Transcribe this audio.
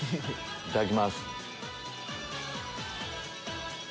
いただきます。